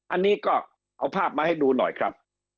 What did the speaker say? อันนี้ก็เอาภาพมาให้ดูหน่อยครับ